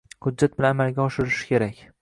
hujjat bilan amalga oshirilishi kerak.